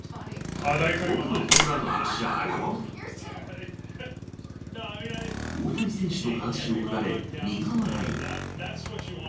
僕のホームランの話じゃない大谷選手の話を振られ、苦笑い。